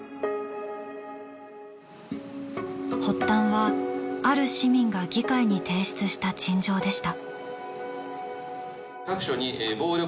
発端はある市民が議会に提出した陳情でした。